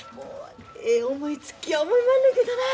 ええ思いつきや思いまんねんけどな。